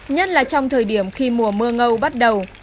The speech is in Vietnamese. nhất là trong thời điểm khi mùa mưa ngâu bắt đầu